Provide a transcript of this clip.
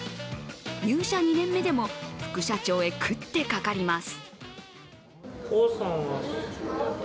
入社２年目でも副社長へ食ってかかります。